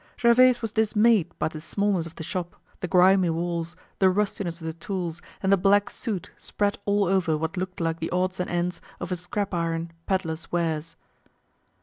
Gervaise was dismayed by the smallness of the shop, the grimy walls, the rustiness of the tools, and the black soot spread all over what looked like the odds and ends of a scrap iron peddler's wares.